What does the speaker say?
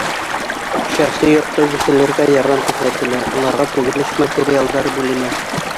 Шәхси йорт төҙөүселәргә ярҙам күрһәтелә, уларға төҙөлөш материалдары бүленә.